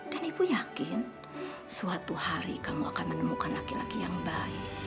dan ibu yakin suatu hari kamu akan menemukan laki laki yang baik